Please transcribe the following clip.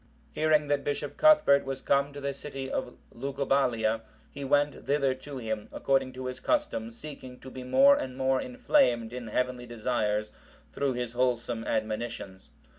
Hearing that Bishop Cuthbert was come to the city of Lugubalia,(758) he went thither to him, according to his custom, seeking to be more and more inflamed in heavenly desires through his wholesome admonitions.